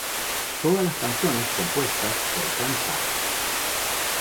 Todas las canciones compuestas por Frank Zappa.